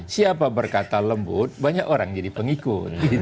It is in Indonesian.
siapa berkata lembut banyak orang jadi pengikut